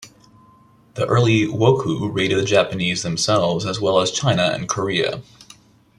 The early wokou raided the Japanese themselves as well as China and Korea.